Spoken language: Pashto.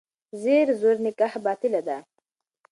زیر زور نکاح باطله ده.